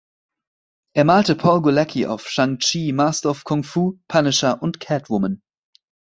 Er malte Paul Gulacy auf „Shang-Chi: Master of Kung Fu", „Punisher“ und Catwoman.